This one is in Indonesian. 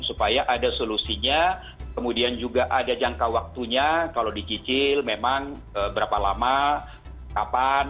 supaya ada solusinya kemudian juga ada jangka waktunya kalau dicicil memang berapa lama kapan